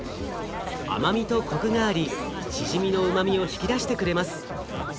甘みとコクがありしじみのうまみを引き出してくれます。